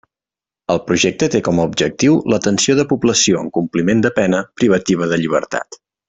El projecte té com a objectiu l'atenció de població en compliment de pena privativa de llibertat.